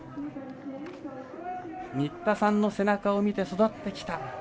新田さんの背中を見て育ってきた。